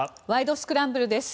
スクランブル」です。